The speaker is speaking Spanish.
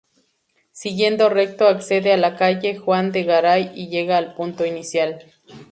Siguiendo recto accede a la Calle Juan de Garay y llega al punto inicial.